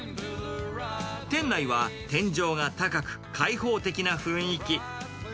店内は天井が高く、開放的な雰囲気。